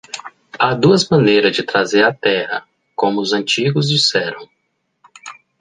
Há duas maneiras de trazer a terra, como os antigos disseram.